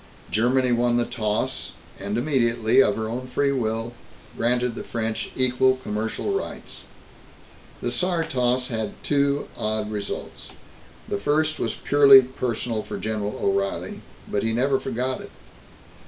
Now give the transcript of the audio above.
Germany won the toss, and immediately, of her own free will, granted the French equal commercial rights. The Saar toss had two odd results. The first was purely personal for General O'Reilly, but he never forgot it.